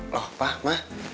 loh pak ma